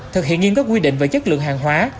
thực hiện nghiên cứu quy định về chất lượng hàng hóa